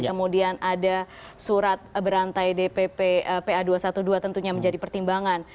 kemudian ada surat berantai dpp pa dua ratus dua belas tentunya menjadi pertimbangan